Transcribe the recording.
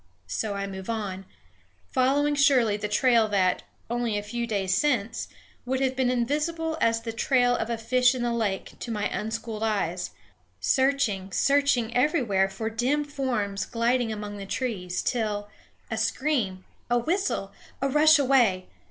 So I move on, following surely the trail that, only a few days since, would have been invisible as the trail of a fish in the lake to my unschooled eyes, searching, searching everywhere for dim forms gliding among the trees, till a scream, a whistle, a rush away!